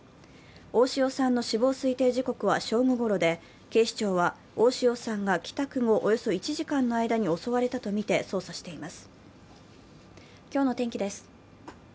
大塩さんの死亡推定時刻は正午ごろで、警視庁は大塩さんが帰宅後、およそ１時間の間に襲われたとみて捜査しています。